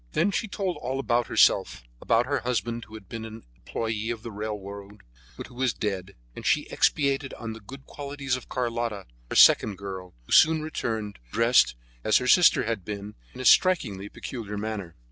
Then she told all about herself, about her husband, who had been an employee on the railway, but who was dead, and she expatiated on the good qualities of Carlotta, her second girl, who soon returned, dressed, as her sister had been, in a striking, peculiar manner.